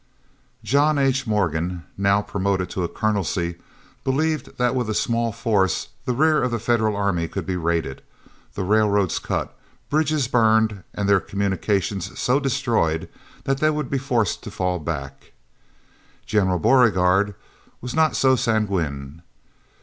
John H. Morgan, now promoted to a colonelcy, believed that with a small force the rear of the Federal army could be raided, the railroads cut, bridges burned, and their communications so destroyed that they would be forced to fall back. General Beauregard was not so sanguine.